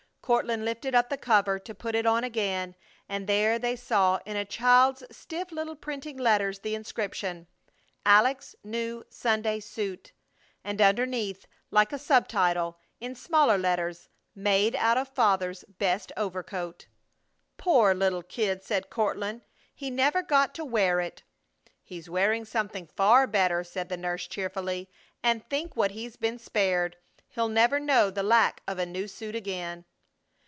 Courtland lifted up the cover to put it on again, and there they saw, in a child's stiff little printing letters, the inscription, "Aleck's new Sunday suit," and underneath, like a subtitle, in smaller letters, "Made out of father's best overcoat." "Poor little kid!" said Courtland. "He never got to wear it!" "He's wearing something far better!" said the nurse, cheerfully; "and think what he's been spared. He'll never know the lack of a new suit again!"